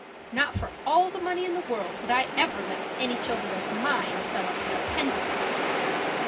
Not for all the money in the world would I ever let any children of mine develop into Pendletons.